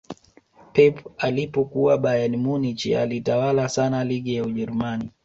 pep alipokuwa bayern munich alitawala sana ligi ya ujerumani